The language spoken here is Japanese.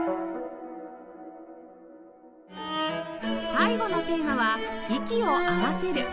最後のテーマは「息を合わせる」